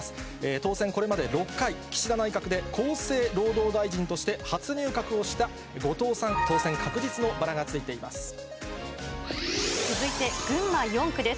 当選、これまで６回、岸田内閣で厚生労働大臣として初入閣をした後藤さん、当選確実の続いて群馬４区です。